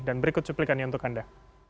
dan berikut cuplikannya untuk anda